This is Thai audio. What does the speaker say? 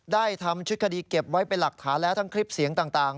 ได้ทำชุดคดีเก็บไว้เป็นหลักฐานแล้วทั้งคลิปเสียงต่าง